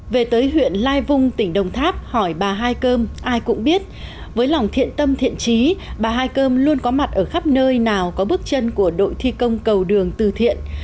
về tới huyện lai vung tỉnh đồng tháp hỏi bà hai cơm ai cũng biết với lòng thiện tâm thiện trí bà hai cơm luôn có mặt ở khắp nơi nào có bước chân của đội thi công cầu đường từ thiện